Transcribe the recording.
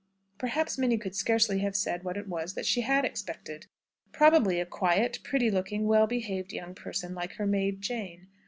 Perhaps Minnie could scarcely have said what it was that she had expected. Probably a quiet, pretty looking, well behaved young person, like her maid Jane.